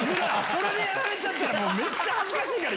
それでやられちゃったら、めっちゃ恥ずかしいから。